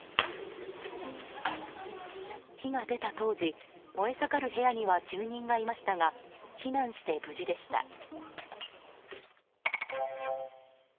火が出た当時、燃え盛る部屋には住人がいましたが避難して無事でした。